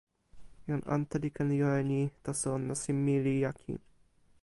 jan ante li ken jo e ni, taso nasin mi li jaki.